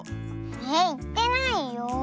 えっいってないよ。